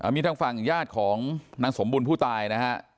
มีทางฝั่งญาติของนางสมบุญผู้ตายนะฮะ